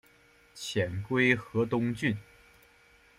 遣归河东郡。